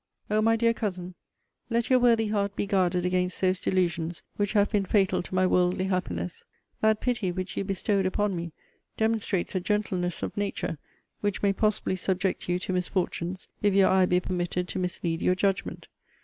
'O my dear Cousin, let your worthy heart be guarded against those delusions which have been fatal to my worldly happiness! That pity, which you bestowed upon me, demonstrates a gentleness of nature, which may possibly subject you to misfortunes, if your eye be permitted to mislead your judgment.